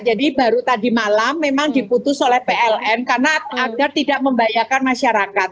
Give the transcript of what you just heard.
jadi baru tadi malam memang diputus oleh pln karena agar tidak membayarkan masyarakat